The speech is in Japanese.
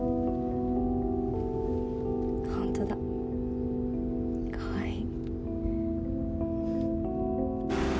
ホントだかわいい。